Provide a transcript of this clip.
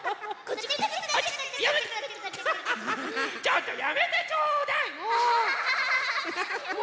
ちょっとやめてちょうだいもう！